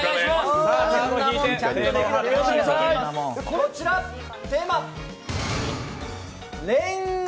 こちら、テーマ、恋愛。